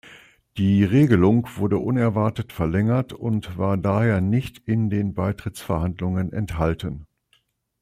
Die Regelung wurde unerwartet verlängert und war daher nicht in den Beitrittsverhandlungen enthalten.